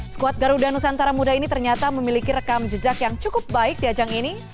skuad garuda nusantara muda ini ternyata memiliki rekam jejak yang cukup baik di ajang ini